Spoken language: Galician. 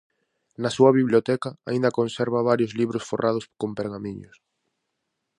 Na súa biblioteca aínda conserva varios libros forrados con pergamiños.